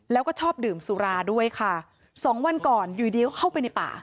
แล้วก็ชอบดื่มสุราด้วยค่ะสองวันก่อนอยู่ดีก็เข้าไปในป่า